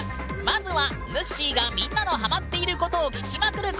まずはぬっしーがみんなのハマっていることを聞きまくる